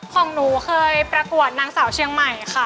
ของหนูเคยประกวดนางสาวเชียงใหม่ค่ะ